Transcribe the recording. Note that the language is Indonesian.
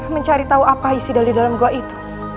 mencari tahu apa isi dari dalam gua itu